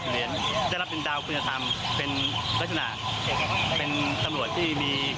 แล้วหลังจากที่เรามีความรู้สึกว่าเราช่วยคุณยายเดินท่านหมดนี่